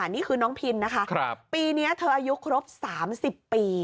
นี่คือน้องพินนะคะปีนี้เธออายุครบ๓๐ปี